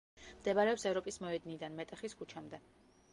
მდებარეობს ევროპის მოედნიდან, მეტეხის ქუჩამდე.